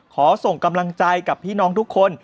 ขอส่งกำลังใจกับพี่น้องทุกคน